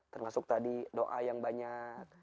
termasuk tadi doa yang banyak